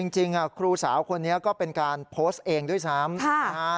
จริงครูสาวคนนี้ก็เป็นการโพสต์เองด้วยซ้ำนะฮะ